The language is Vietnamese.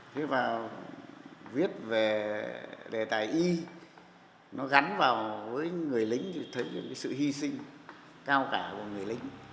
thế vào viết về đầy tài y nó gắn vào với người lính thì thấy sự hy sinh cao cả của người lính